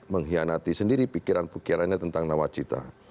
mengkhianati sendiri pikiran pikirannya tentang nawacita